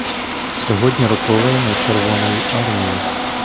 Сьогодні роковини червоної армії.